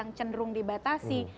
yang cenderung dibatasi